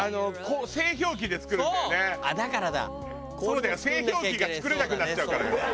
製氷機が作れなくなっちゃうからよ。